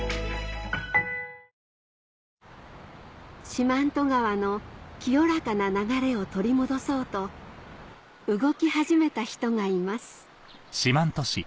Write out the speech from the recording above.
四万十川の清らかな流れを取り戻そうと動き始めた人がいます